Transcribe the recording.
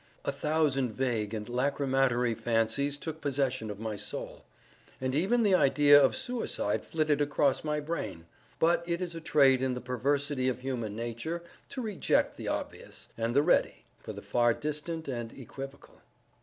A thousand vague and lachrymatory fancies took possession of my soul—and even the idea of suicide flitted across my brain; but it is a trait in the perversity of human nature to reject the obvious and the ready, for the far distant and equivocal.